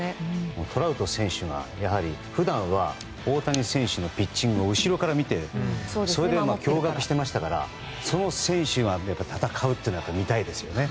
トラウト選手が普段は大谷選手のピッチングを後ろから見てそれで驚愕していましたからその選手が戦うというのは見たいですよね。